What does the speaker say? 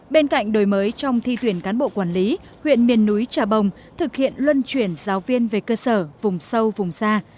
bên cạnh đổi mới trong thi tuyển cán bộ quản lý huyện miền núi trà bồng thực hiện luân chuyển giáo viên về cơ sở vùng sâu vùng xa